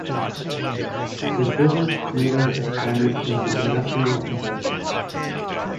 His business later expanded into industrial investments.